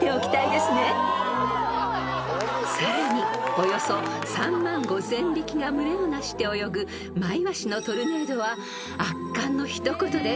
［さらにおよそ３万５，０００匹が群れをなして泳ぐマイワシのトルネードは圧巻の一言です］